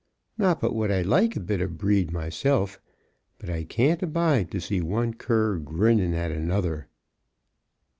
Not but what I like a bit o' breed myself, but I can't abide to see one cur grinnin' at another.